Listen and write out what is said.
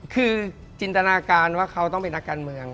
คือจินตนาการว่าเขาต้องเป็นนักการเมือง